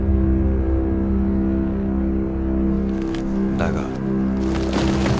だが。